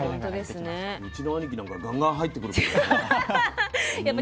うちの兄貴なんかガンガン入ってくるけどね。